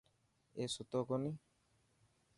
اي ستو ڪوني.